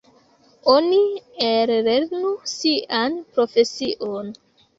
Oni ellernu sian profesion.